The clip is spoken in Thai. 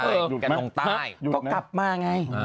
กากหลังของนายกก็กลับมาไง